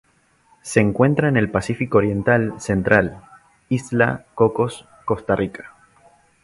Se encuentra en el Pacífico oriental central: Isla Cocos Costa Rica.